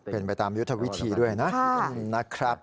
เป็นไปตามยุทธวิธีด้วยนะครับ